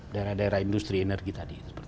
daerah daerah industri energi tadi